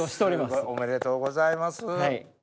おめでとうございます。